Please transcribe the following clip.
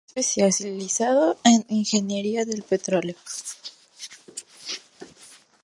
Se ha especializado en ingeniería del petróleo.